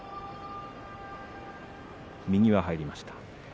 右が入りました。